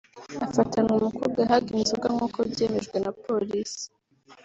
afatanwa umukobwa yahaga inzoga nk’uko byemejwe na Polisi